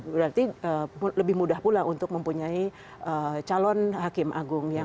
berarti lebih mudah pula untuk mempunyai calon hakim agung